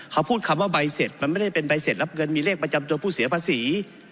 เขาพูดคำว่าใบเสร็จมันไม่ได้เป็นใบเสร็จรับเงินมีเลขประจำตัวผู้เสียภาษี